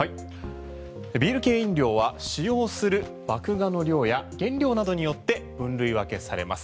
ビール系飲料は使用する麦芽の量や原料などによって分類分けされます。